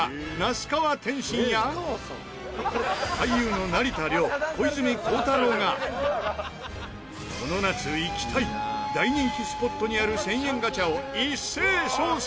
天心や俳優の成田凌小泉孝太郎がこの夏行きたい大人気スポットにある１０００円ガチャを一斉捜査！